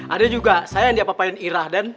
ada juga saya yang diapa apain irah den